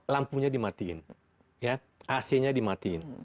lampunya dimatiin ac nya dimatiin